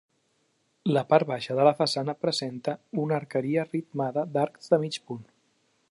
La part baixa de la façana presenta una arqueria ritmada d'arcs de mig punt.